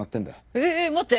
ええっ待って！